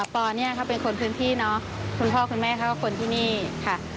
ปอเป็นคนพื้นที่คุณพ่อคุณแม่เขาก็คนที่นี่ค่ะ